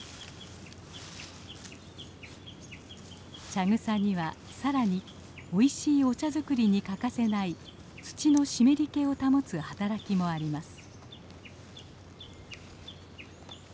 茶草にはさらにおいしいお茶作りに欠かせない土の湿り気を保つ働きもあります。